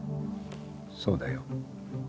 そうだよ。